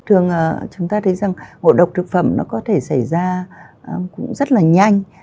thường chúng ta thấy rằng ngộ độc thực phẩm nó có thể xảy ra cũng rất là nhanh